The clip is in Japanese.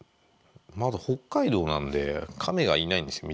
まず北海道なんでカメがいないんですよ